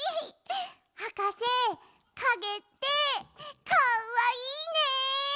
はかせかげってかわいいね！